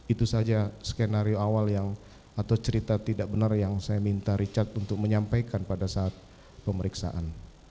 itu saja skenario awal atau cerita tidak benar yang saya minta richard untuk menyampaikan pada saat pemeriksaan